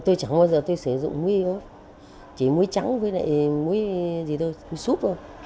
tôi chẳng bao giờ tôi sử dụng mối y ốt chỉ mối trắng với lại mối gì thôi mối súp thôi